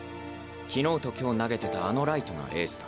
昨日と今日投げてたあのライトがエースだ。